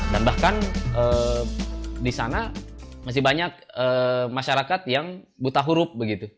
dan bahkan di sana masih banyak masyarakat yang buta huruf